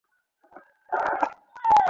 প্রতি পদক্ষেপে ইহা অনুভূত হয়।